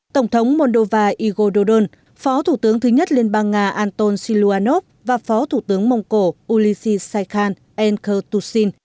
tổng thống moldova igor dodon phó thủ tướng thứ nhất liên bang nga anton siluanov và phó thủ tướng mông cổ ulysi sai saikhan enkertusin